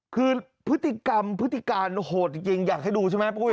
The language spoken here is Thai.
คือพฤติกรรมพฤติการโหดจริงอยากให้ดูใช่ไหมปุ้ย